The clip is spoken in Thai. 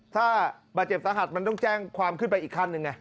ถ้าบาดเจ็บสาหัสมันต้องแจ้งความขึ้นไปอีกขั้นหนึ่งไง